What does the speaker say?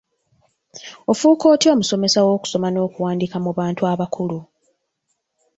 Ofuuka otya omusomesa w'okusoma n'okuwandiika mu bantu abakulu?